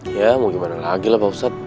ya mau gimana lagi lah pak ustadz